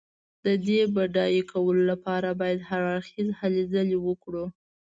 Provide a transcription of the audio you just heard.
د دې د بډای کولو لپاره باید هر اړخیزې هلې ځلې وکړو.